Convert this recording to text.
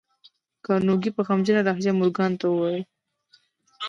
کارنګي په غمجنه لهجه مورګان ته وویل